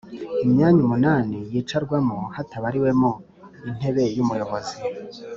imyanya umunani yicarwamo hatabariwemo intebe y'umuyobozi